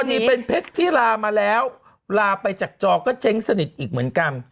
ดีเป็นเพชรที่ลามาแล้วลาไปจากจอก็เจ๊งสนิทอีกเหมือนกัน